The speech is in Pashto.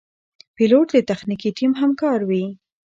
پیلوټ د تخنیکي ټیم همکار وي.